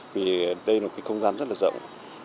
vì đây là một cái không gian rất là rộng